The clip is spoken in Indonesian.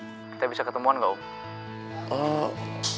kita bisa ketemuan gak om